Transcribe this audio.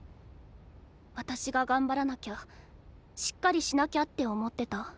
私が頑張らなきゃしっかりしなきゃって思ってた。